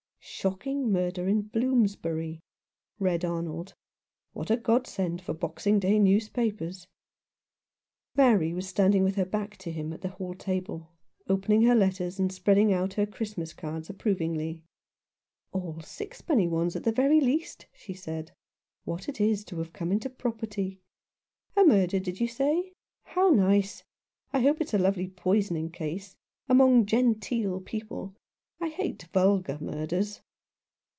" Shocking murder in Bloomsbury," read Arnold. "What a godsend for Boxing Day newspapers." Mary was standing with her back to him at the hall table, opening her letters and spreading out her Christmas cards approvingly. "All sixpenny ones at the very least," she said. " What it is to have come into property ! A murder, did you say ? How nice ! I hope it is a lovely poisoning case — among genteel people. I hate vulgar murders."